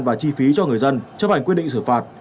và chi phí cho người dân chấp hành quyết định xử phạt